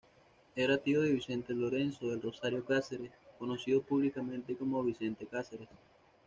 Era tío de Vicente Lorenzo del Rosario Casares, conocido públicamente como Vicente Casares.